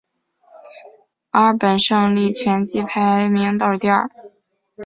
墨尔本胜利全季排名倒数第二。